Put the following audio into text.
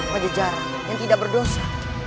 pada jajaran yang tidak berdosa